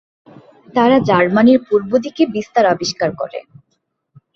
তারা জার্মানীর পূর্বদিকে বিস্তার আবিষ্কার করে।